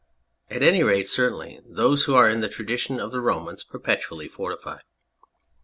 At any rate, certainly those who are in the tradition of the Romans perpetually fortify. .